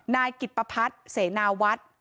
นายกิตปภัฏเสนาวัตร